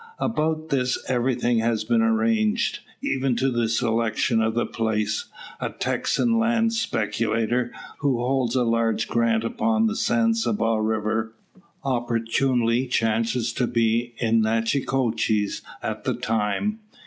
About this everything has been arranged, even to selection of the place. A Texan land speculator, who holds a large "grant" upon the San Saba river, opportunely chances to be in Natchitoches at the time.